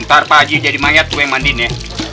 ntar pak ji jadi mayat gue yang mandiin ya